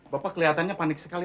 bapak kelihatannya panik sekali